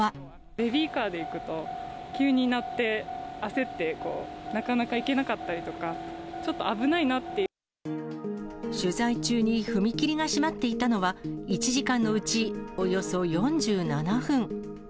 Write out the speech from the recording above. ベビーカーで行くと、急に鳴って、焦ってこう、なかなか行けなかったりとか、ちょっと危ない取材中に踏切が閉まっていたのは、１時間のうちおよそ４７分。